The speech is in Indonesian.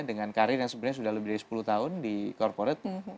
dengan karir yang sebenarnya sudah lebih dari sepuluh tahun di corporate